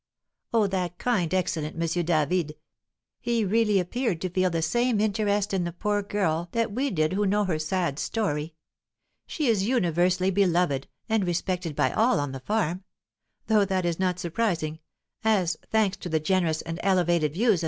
"Oh, that kind, excellent M. David! He really appeared to feel the same interest in the poor girl that we did who know her sad story. She is universally beloved and respected by all on the farm; though that is not surprising, as, thanks to the generous and elevated views of M.